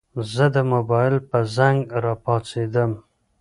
زه د موبايل په زنګ راپاڅېدم.